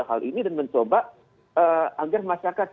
hal ini dan mencoba agar masyarakat